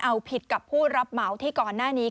เอาผิดกับผู้รับเหมาที่ก่อนหน้านี้